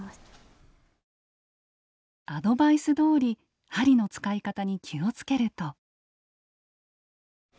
アドバイスどおり針の使い方に気をつけると。